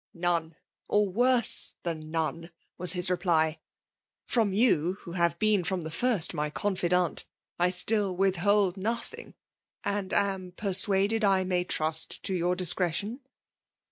." None, or worse than none T was his re^ ply. ''From you, who have been from tha first my confidante^ I wiU withhold nothing : I am persuaded I may trust to your discsre^ tion."